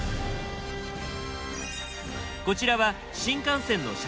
こちらは新幹線の車掌室。